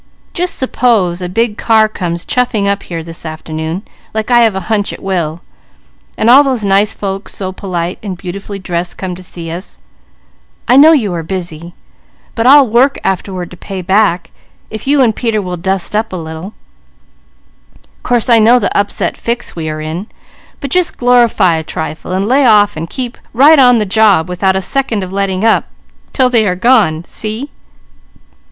"Just suppose a big car comes chuffing up here this afternoon, like I have a hunch it will, and all those nice folks so polite and beautifully dressed come to see us, I know you are busy, but I'll work afterward to pay back, if you and Peter will dust up a little course I know the upset fix we are in; but just glorify a trifle, and lay off and keep right on the job without a second of letting up, 'til they are gone. See?"